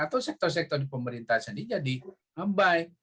atau sektor sektor di pemerintah sendiri jadi abai